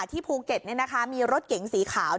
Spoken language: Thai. ที่ภูเก็ตเนี่ยนะคะมีรถเก๋งสีขาว